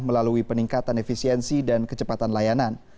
melalui peningkatan efisiensi dan kecepatan layanan